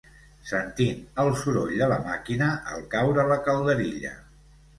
Sentint el soroll de la màquina al caure la calderilla